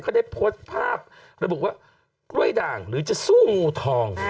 เค้าได้โพสด์ภาพจะบอกว่ารวยดังหรือจะสู้งูทอง